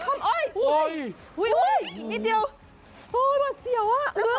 ฮุ้ยนิดนิดเดียว